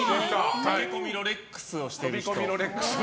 駆け込みロレックスをしている人。